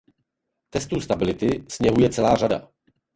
Testů stability sněhu je celá řada.